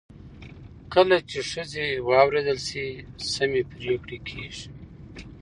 کله چې ښځې واورېدل شي، سمې پرېکړې کېږي.